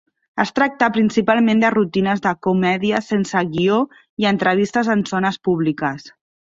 Es tracta principalment de rutines de comèdies sense guió i entrevistes en zones públiques.